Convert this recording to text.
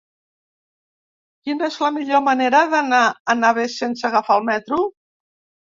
Quina és la millor manera d'anar a Navès sense agafar el metro?